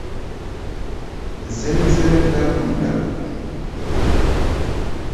Zɛ́mzɛ́rɛ́ ndál mɔ ndǎl.